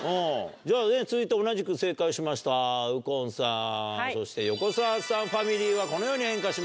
じゃあね続いて同じく正解しました右近さんそして横澤さんファミリーはこのように変化します。